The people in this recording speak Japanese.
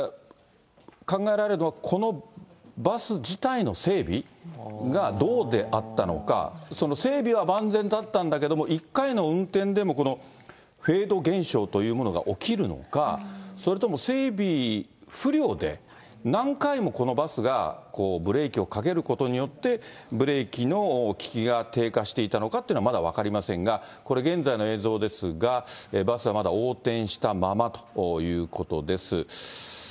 考えられるのは、このバス自体の整備がどうであったのか、その整備は万全だったんだけども、１回の運転でもこのフェード現象というものが起きるのか、それとも整備不良で、何回もこのバスがブレーキをかけることによって、ブレーキの利きが低下していたのかというのはまだ分かりませんが、これ、現在の映像ですが、バスはまだ横転したままということです。